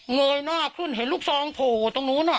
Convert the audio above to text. เงยหน้าขึ้นเห็นลูกซองโผล่ตรงนู้น